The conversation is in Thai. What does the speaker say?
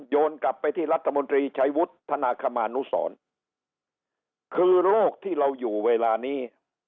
โยนกลับไปที่รัฐมนตรีชัยวุฒิธนาคมานุสรคือโรคที่เราอยู่เวลานี้